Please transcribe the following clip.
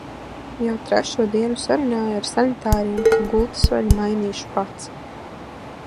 Jau trešo dienu sarunāju ar sanitāriem, ka gultas veļu mainīšu pats.